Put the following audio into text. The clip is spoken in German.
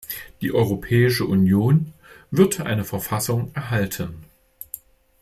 Die Europäische Union wird eine Verfassung erhalten.